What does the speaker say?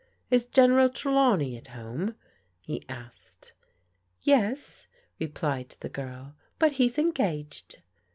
" Is General Trelawney at home? " he asked. " Yes," replied the girl, " but he's engaged."